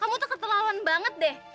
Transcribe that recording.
kamu tak keterlaluan banget deh